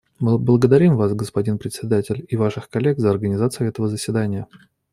Мы благодарим Вас, господин Председатель, и Ваших коллег за организацию этого заседания.